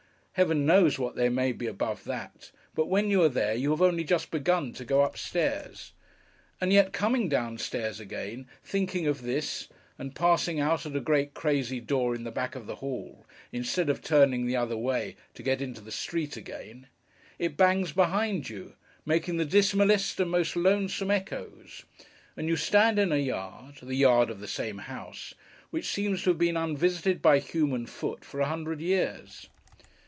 Heaven knows what there may be above that; but when you are there, you have only just begun to go up stairs. And yet, coming down stairs again, thinking of this; and passing out at a great crazy door in the back of the hall, instead of turning the other way, to get into the street again; it bangs behind you, making the dismallest and most lonesome echoes, and you stand in a yard (the yard of the same house) which seems to have been unvisited by human foot, for a hundred years.